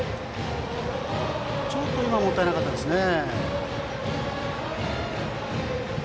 ちょっと今のはもったいなかったですね。